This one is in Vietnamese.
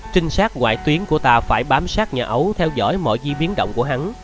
trinh sát ngoại tuyến của ta phải bám sát nhà ấu theo dõi mọi di biến động của hắn